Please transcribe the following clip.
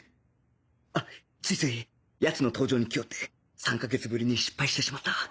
あっついつい奴の登場に気負って３カ月ぶりに失敗してしまった。